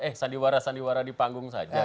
eh sandiwara sandiwara di panggung saja